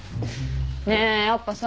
ねえやっぱさ